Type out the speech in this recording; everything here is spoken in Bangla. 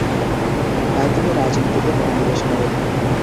তাই তিনি রাজনীতিতে মনোনিবেশ করেন।